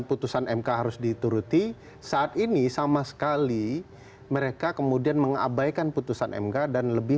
putusan mk harus dituruti saat ini sama sekali mereka kemudian mengabaikan putusan mk dan lebih